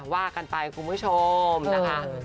ว่ากันไปคุณผู้ชมนะคะ